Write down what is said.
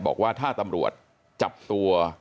บอกว่าถ้าตำรวจจับตัว